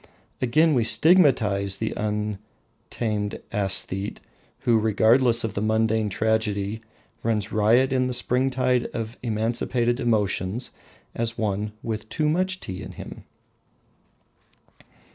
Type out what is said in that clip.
Again we stigmatise the untamed aesthete who, regardless of the mundane tragedy, runs riot in the springtide of emancipated emotions, as one "with too much tea" in him.